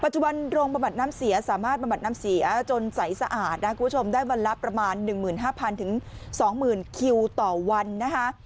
จุบันโรงบำบัดน้ำเสียสามารถบำบัดน้ำเสียจนใสสะอาดนะคุณผู้ชมได้วันละประมาณ๑๕๐๐๒๐๐๐คิวต่อวันนะคะ